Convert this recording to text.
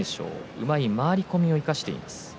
うまい回り込みを生かしています。